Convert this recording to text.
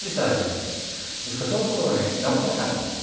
ですからそのころは直さなかったんです。